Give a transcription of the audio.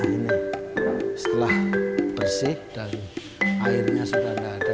ini setelah bersih dan airnya sudah tidak ada